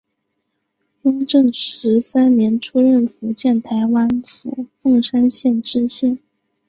雍正十三年出任福建台湾府凤山县知县。